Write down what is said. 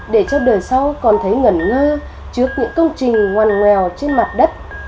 để cho đời sau còn thấy ngẩn ngơ trước những công trình ngoan ngoèo trên mặt đất